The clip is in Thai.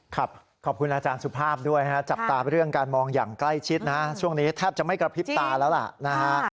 ครับขอบคุณอาจารย์สุภาพด้วยนะครับจับตาเรื่องการมองอย่างใกล้ชิดนะช่วงนี้แทบจะไม่กระพริบตาแล้วล่ะนะฮะ